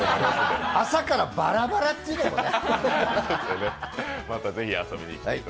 朝からバラバラっていうのもね。